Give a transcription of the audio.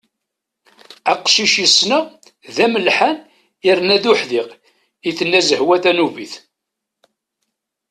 Aqcic i ssneɣ d amellḥan yerna d uḥdiq i tenna Zehwa tanubit.